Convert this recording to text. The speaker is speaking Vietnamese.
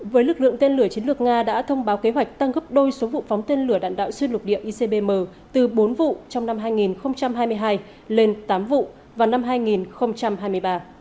với lực lượng tên lửa chiến lược nga đã thông báo kế hoạch tăng gấp đôi số vụ phóng tên lửa đạn đạo xuyên lục địa icbm từ bốn vụ trong năm hai nghìn hai mươi hai lên tám vụ vào năm hai nghìn hai mươi ba